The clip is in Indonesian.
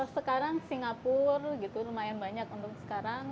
sekarang singapura gitu lumayan banyak untuk sekarang